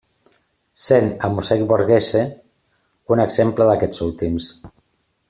Sent, el mosaic Borghese, un exemple d'aquests últims.